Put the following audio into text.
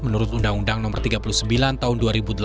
menurut undang undang no tiga puluh sembilan tahun dua ribu delapan